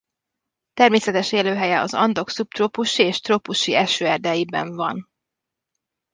Természetes élőhelye az Andok szubtrópusi és trópusi esőerdjeiben van.